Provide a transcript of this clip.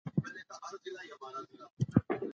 که لمر ډوب شي نو د دې دښتې هوا به ډېره سړه شي.